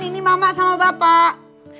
ini mama sama bapak